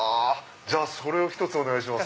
それを１つお願いします。